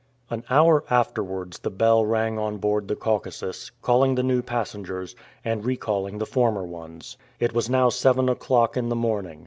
An hour afterwards the bell rang on board the Caucasus, calling the new passengers, and recalling the former ones. It was now seven o'clock in the morning.